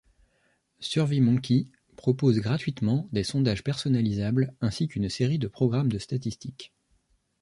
SurveyMonkey propose gratuitement, des sondages personnalisables, ainsi qu'une série de programmes de statistiques.